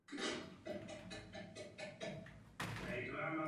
V tak nejisté době musí být klíčovým slovem opatrnost.